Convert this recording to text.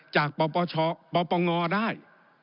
จากปปชปปงได้